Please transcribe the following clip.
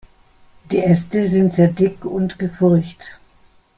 Die Äste sind sehr dick und gefurcht.